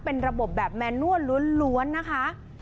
เป็นระบบแบบแมนนวล้วนนะคะ